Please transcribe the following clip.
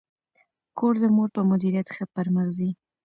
کور د مور په مدیریت ښه پرمخ ځي.